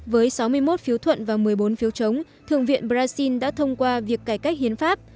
với sáu mươi một phiếu thuận và một mươi bốn phiếu chống thượng viện brazil đã thông qua việc cải cách hiến pháp